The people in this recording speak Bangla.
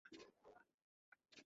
হ্যাঁ, বিজ্ঞানীগুলো!